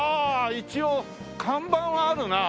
一応看板はあるな。